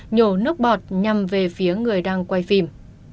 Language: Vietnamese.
nhổ nước bọt nhằm về phía người đang quay phim